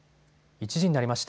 １時になりました。